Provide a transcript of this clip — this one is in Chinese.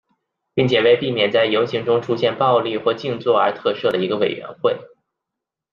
并且为避免在游行中出现暴力或静坐而特设了一个委员会。